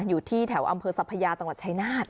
อยู่ที่แถวอำเภอสัพยาจังหวัดชายนาฏ